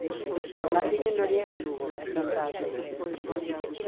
Martiño Noriega Lugo: Chantada.